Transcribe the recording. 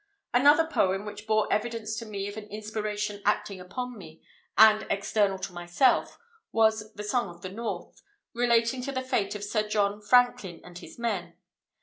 Another poem, which bore evidence to me of an inspiration acting upon me, and external to myself, was the "Song of the North," relating to the fate of Sir John Franklin and his men.